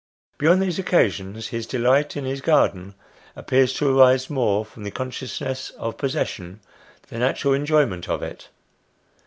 Beyond these occasions, his delight in his garden appears to arise more from the consciousness of possession than actual enjoy ment of it.